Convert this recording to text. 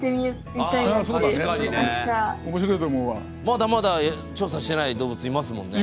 まだまだ調査してない動物いますもんね。